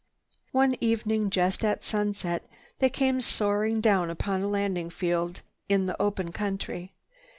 One evening just at sunset they came soaring down upon a landing field in the open country.